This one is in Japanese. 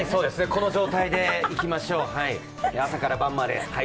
この状態でいきましょう、朝から晩まで。